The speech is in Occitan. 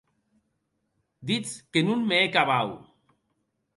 Diu que non me hè cabau.